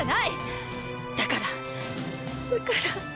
だからだから。